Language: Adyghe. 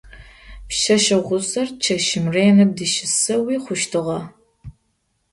Пшъэшъэ гъусэр чэщым ренэ дыщысэуи хъущтыгъэ.